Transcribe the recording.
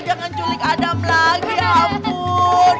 jangan culik adam lagi rampur